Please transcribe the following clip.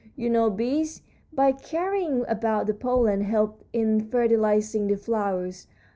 You know bees, by carrying about the pollen, help in fertilizing the flowers.